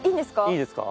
いいですか？